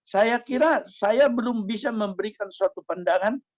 saya kira saya belum bisa memberikan suatu pandangan